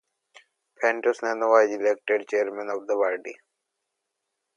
Fatos Nano was elected chairman of the party.